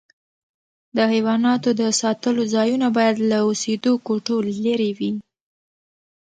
د حیواناتو د ساتلو ځایونه باید له اوسېدو کوټو لیري وي.